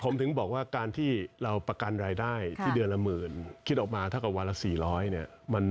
ผมถึงบอกว่าการที่เราประกันรายได้ที่เดือนละหมื่นคิดออกมาเท่ากับวันละ๔๐๐เนี่ย